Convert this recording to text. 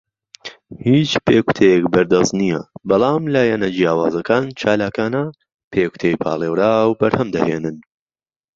هیچ پێکوتەیەک بەردەست نییە، بەڵام لایەنە جیاوازەکان چالاکانە پێکوتەی پاڵێوراو بەرهەم دەهێنن.